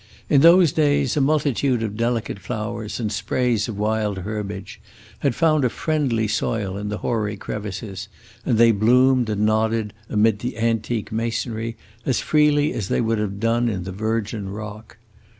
In those days a multitude of delicate flowers and sprays of wild herbage had found a friendly soil in the hoary crevices, and they bloomed and nodded amid the antique masonry as freely as they would have done in the virgin rock.